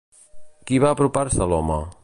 Qui va apropar-se a l'home?